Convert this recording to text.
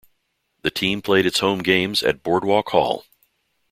The team played its home games at Boardwalk Hall.